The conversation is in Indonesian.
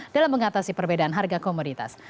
dalam mengatasi perbedaan harga komoditas